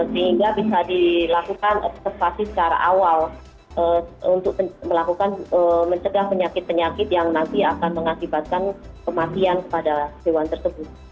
sehingga bisa dilakukan observasi secara awal untuk melakukan mencegah penyakit penyakit yang nanti akan mengakibatkan kematian kepada hewan tersebut